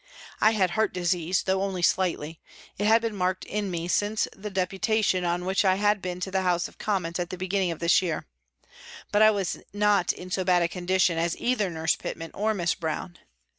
I had heart disease, though only slightly ; it had been marked in me since the Deputation on which I had been to the House of Commons, at the beginning of this year. But I was not in so bad a condition as either Nurse Pitman or Miss Brown.